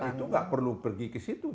itu nggak perlu pergi ke situ